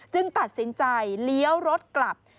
ตัดสินใจเลี้ยวรถกลับ